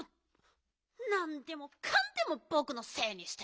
なんでもかんでもぼくのせいにして。